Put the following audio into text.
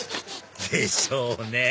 でしょうね